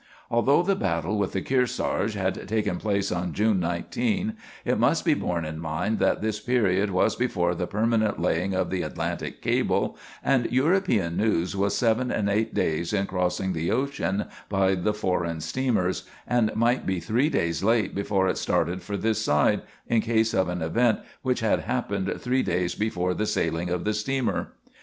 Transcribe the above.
Although the battle with the "Kearsarge" had taken place on June 19, it must be borne in mind that this period was before the permanent laying of the Atlantic cable, and European news was seven and eight days in crossing the ocean by the foreign steamers, and might be three days late before it started for this side, in case of an event which had happened three days before the sailing of the steamer.